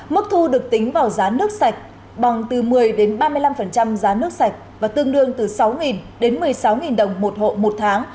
mức thu được tính vào giá nước sạch bằng từ một mươi đến ba mươi năm giá nước sạch và tương đương từ sáu đến một mươi sáu đồng một hộ một tháng